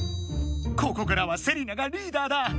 ここからはセリナがリーダーだ。